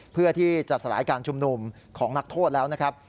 เพื่อที่จะสลายการชุมนุมของนักโทษแล้วนะครับ